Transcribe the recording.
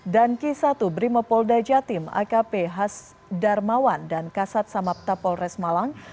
dan kisatu brimepolda jatim akp has darmawan dan kasat samapta polres malang